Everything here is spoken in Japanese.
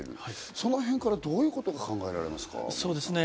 そのへんからどういうことが考えられますか？